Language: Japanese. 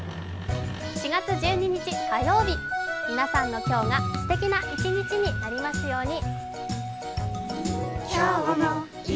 ４月１２日火曜日、皆さんの今日がすてきな一日になりますように。